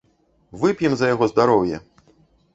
Вып'ем за яго здароўе!